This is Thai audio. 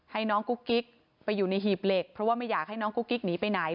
ให้น้องกุ๊กกิ๊กไปอยู่ในหีบเหล็กเพราะว่าไม่อยากให้น้องกุ๊กกิ๊กหนีไปไหน